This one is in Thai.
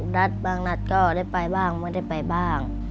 นัดบางนัดก็ได้ไปบ้างไม่ได้ไปบ้าง